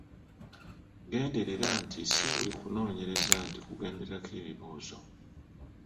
Genderera nti ssi buli kunoonyereza nti kugenderako ebibuuzo.